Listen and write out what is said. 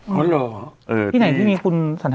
ปรากฏว่าจังหวัดที่ลงจากรถ